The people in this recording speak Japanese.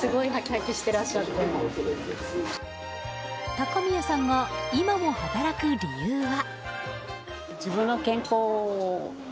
高宮さんが今も働く理由は？